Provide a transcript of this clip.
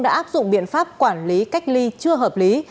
đã áp dụng biện pháp quản lý cách ly chưa hợp lý